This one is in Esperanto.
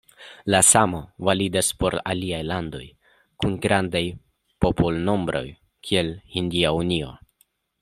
La samo validas por aliaj landoj kun grandaj popolnombroj kiel Hindia Unio.